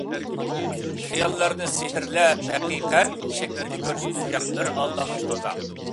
خىياللارنى سېھىرلەپ ھەقىقەت شەكلىدە كۆرسىتىلگەن بىر ئالدامچى تۇزاق.